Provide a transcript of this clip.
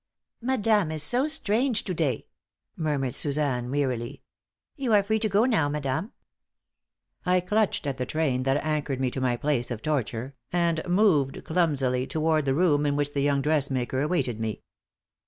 "Madame is so strange to day," murmured Suzanne, wearily. "You are free to go now, madame." "I clutched at the train that anchored me to my place of torture, and moved clumsily toward the room in which the young dressmaker awaited me.